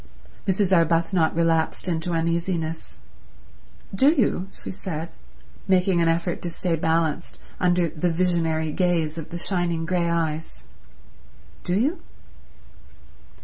Mrs. Arbuthnot relapsed into uneasiness. "Do you?" she said, making an effort to stay balanced under the visionary gaze of the shining grey eyes. "Do you?"